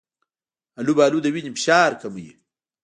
آلوبالو د وینې فشار کموي.